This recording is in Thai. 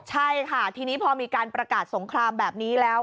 ใช่ค่ะทีนี้พอมีการประกาศสงครามแบบนี้แล้ว